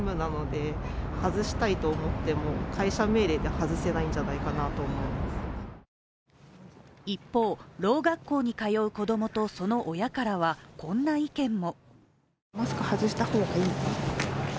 子供たちからは一方、ろう学校に通う子どもとその親からはこんな意見も。